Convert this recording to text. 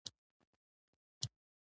مخامخ د کعبې شریفې تر څنګ.